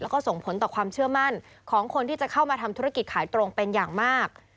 แล้วก็ส่งผลต่อความเชื่อมั่นของคนที่จะเข้ามาทำธุรกิจขายตรงเป็นอย่างมาก